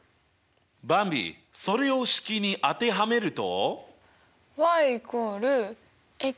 ばんびそれを式に当てはめると？